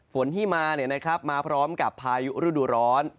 ส่วนที่มานะครับมาพร้อมกับพายุรุ่นดุร้อน